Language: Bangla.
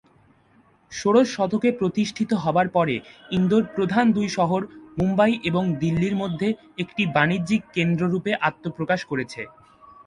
ষোড়শ শতকে প্রতিষ্ঠিত হবার পরে ইন্দোর প্রধান দুই শহর মুম্বই এবং দিল্লির মধ্যে একটি বাণিজ্যিক কেন্দ্র রূপে আত্মপ্রকাশ করেছে।